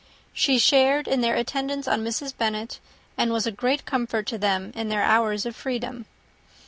She shared in their attendance on Mrs. Bennet, and was a great comfort to them in their hours of freedom.